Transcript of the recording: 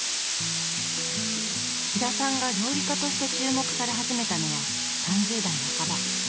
飛田さんが料理家として注目され始めたのは３０代半ば。